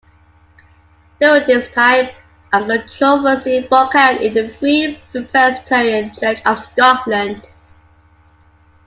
During this time, a controversy broke out in the Free Presbyterian Church of Scotland.